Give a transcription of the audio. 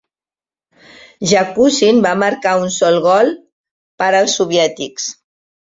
Yakushyn va marcar un sol gol per als soviètics.